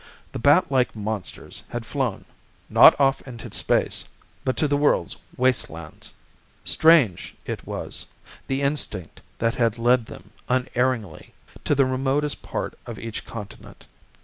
The bat like monsters had flown, not off into space, but to the world's waste lands. Strange, it was, the instinct that had led them unerringly to the remotest point of each continent.